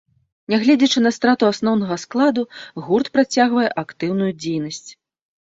Нягледзячы на страту асноўнага складу, гурт працягвае актыўную дзейнасць.